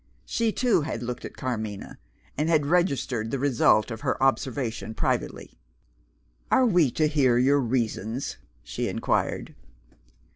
She, too, had looked at Carmina and had registered the result of her observation privately. "Are we to hear your reasons?" she inquired.